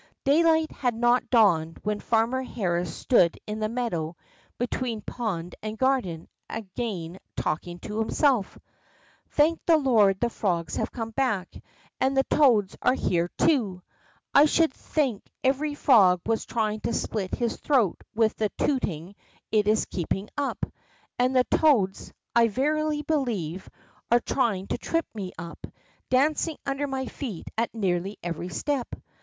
Daylight had not dawned when Parmer Harris stood in the meadow between pond and garden again talking to himself: Thank the Lord the frogs have come hack, and the toads are here too ! I should think every frog was trying to split his throat with the tooting it is keeping up. And the toads, I verily believe, are trying to trip me up, dancing under my feet at nearly every step.